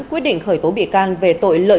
quyết định khởi tố bị can về tội